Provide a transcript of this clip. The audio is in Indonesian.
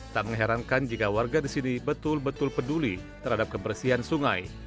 tak mengherankan jika warga di sini betul betul peduli terhadap kebersihan sungai